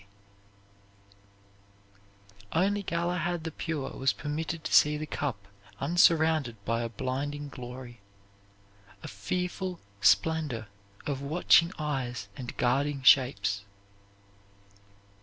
Only Galahad the Pure was permitted to see the cup unsurrounded by a blinding glory, a fearful splendor of watching eyes and guarding shapes.